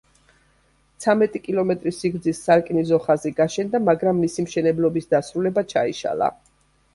ცამეტი კილომეტრის სიგრძის სარკინიგზო ხაზი გაშენდა, მაგრამ მისი მშენებლობის დასრულება ჩაიშალა.